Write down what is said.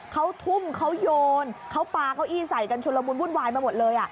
เขาทุ่มเขาโยนเขาปลาเก้าอี้ใส่กันชุลมุนวุ่นวายมาหมดเลย